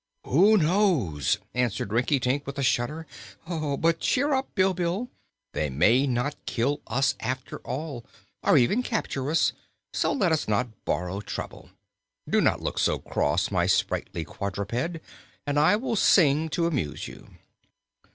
"Who knows?" answered Rinkitink, with a shudder. "But cheer up, Bilbil; they may not kill us after all, or even capture us; so let us not borrow trouble. Do not look so cross, my sprightly quadruped, and I will sing to amuse you."